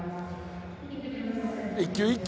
一球一球